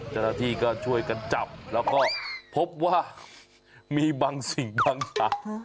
เจ้าหน้าที่ก็ช่วยกันจับแล้วก็พบว่ามีบางสิ่งบางอย่าง